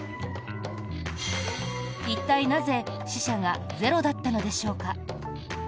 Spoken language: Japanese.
一体なぜ死者がゼロだったのでしょうか？